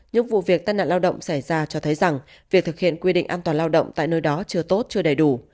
những vụ việc tai nạn lao động xảy ra cho thấy rằng việc thực hiện quy định an toàn lao động tại nơi đó chưa tốt chưa đầy đủ